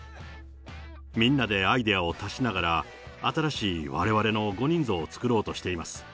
みんなでアイデアを足しながら、新しいわれわれの５人像を作ろうとしています。